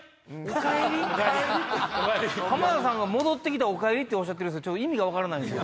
浜田さんが「戻ってきた」「おかえり」っておっしゃってる意味が分からないんすよ。